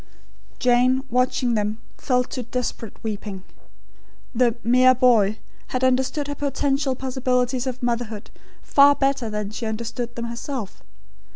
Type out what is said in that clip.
Jane, watching them, fell to desperate weeping. The "mere boy" had understood her potential possibilities of motherhood far better than she understood them herself.